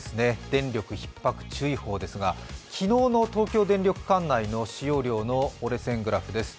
電力ひっ迫注意報ですが、昨日の東京電力管内の電気の使用量の折れ線グラフです。